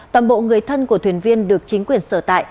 toàn bộ người thân của thuyền viên được chính quyền sở tại